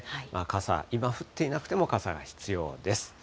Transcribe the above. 傘、今、降っていなくても、傘が必要です。